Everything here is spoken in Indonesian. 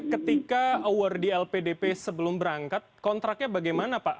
ketika award di lpdp sebelum berangkat kontraknya bagaimana pak